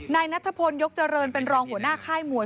นายนัทพลยกเจริญเป็นรองหัวหน้าค่ายมวย